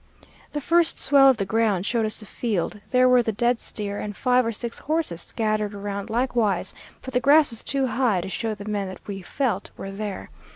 "The first swell of the ground showed us the field. There were the dead steer, and five or six horses scattered around likewise, but the grass was too high to show the men that we felt were there.